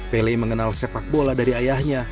pele mengenal sepak bola dari ayahnya